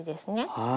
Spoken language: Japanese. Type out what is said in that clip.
はい。